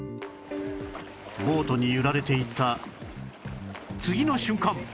ボートに揺られていた次の瞬間